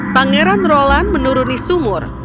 pangeran roland menuruni sumur